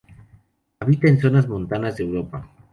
Habita en zonas montanas de Europa.